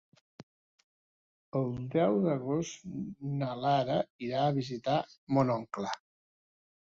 El deu d'agost na Lara irà a visitar mon oncle.